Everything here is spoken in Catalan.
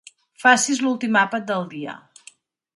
Facis l'últim àpat del dia.